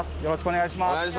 よろしくお願いします。